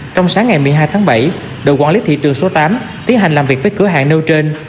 trong sáng ngày một mươi hai tháng bảy đội quản lý thị trường số tám tiến hành làm việc với cửa hàng nêu trên